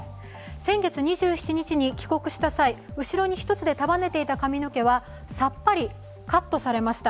先月２７日に帰国した際、後ろに１つで束ねていた髪の毛はさっぱりカットされました。